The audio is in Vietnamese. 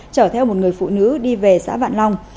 chở theo một người phụ nữ đi về xã vạn long